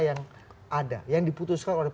yang ada yang diputuskan oleh